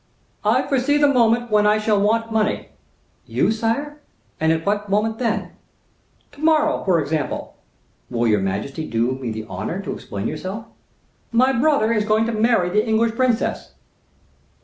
"I foresee the moment when I shall want money." "You, sire? And at what moment then?" "To morrow, for example." "Will your majesty do me the honor to explain yourself?" "My brother is going to marry the English Princess."